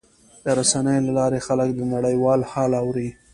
د رسنیو له لارې خلک د نړۍ حال اوري.